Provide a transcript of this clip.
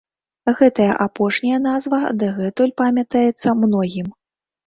Гэтая апошняя назва дагэтуль памятаецца многім.